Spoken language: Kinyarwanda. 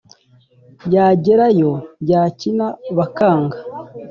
Yagera yo yakina bakanga,